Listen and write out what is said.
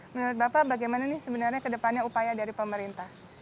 menurut bapak bagaimana nih sebenarnya ke depannya upaya dari pemerintah